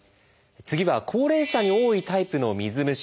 次は高齢者に多いタイプの水虫。